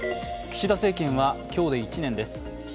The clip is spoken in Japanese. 岸田政権は今日で１年です。